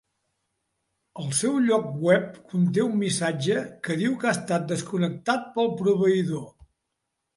El seu lloc web conté un missatge que diu que ha estat desconnectat pel proveïdor.